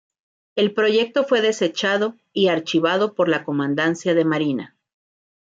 El proyecto fue desechado y archivado por la Comandancia de Marina.